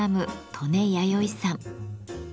刀根弥生さん。